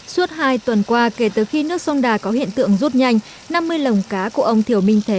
suốt hai tuần qua kể từ khi nước sông đà có hiện tượng rút nhanh năm mươi lồng cá của ông thiểu minh thế